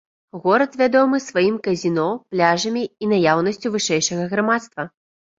Горад вядомы сваім казіно, пляжамі і наяўнасцю вышэйшага грамадства.